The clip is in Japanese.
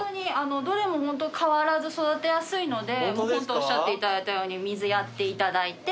どれもホント変わらず育てやすいのでおっしゃっていただいたように水やっていただいて。